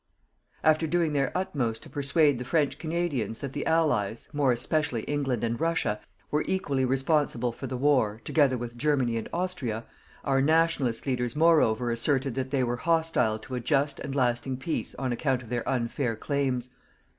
After doing their utmost to persuade the French Canadians that the Allies, more especially England and Russia, were equally responsible for the war, together with Germany and Austria, our "Nationalist" leaders moreover asserted that they were hostile to a just and lasting peace on account of their unfair claims.